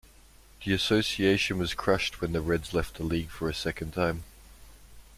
The Association was crushed when the Reds left the league for a second time.